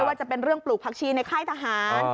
ว่าจะเป็นเรื่องปลูกผักชีในค่ายทหาร